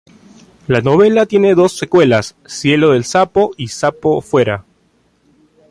La novela tiene dos secuelas, "Cielo del Sapo" y "Sapo Fuera".